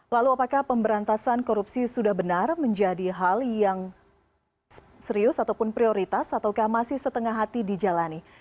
lalu apakah pemberantasan korupsi sudah benar menjadi hal yang serius ataupun prioritas ataukah masih setengah hati dijalani